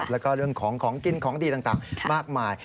แล้วก็เรื่องของของกินของดีต่างมากมาย